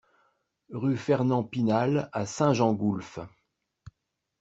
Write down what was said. Rue Fernand Pinal à Saint-Gengoulph